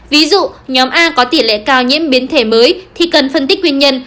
ví dụ nhóm a có tỷ lệ cao nhiễm biến thể mới thì cần phân tích nguyên nhân